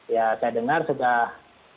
ya saya dengar sudah